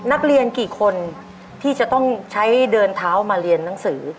นักเรียนกี่คนที่จะต้องใช้เดินเท้ามาเรียนหนังสือ